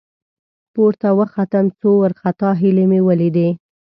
، پورته وختم، څو وارخطا هيلۍ مې ولېدې.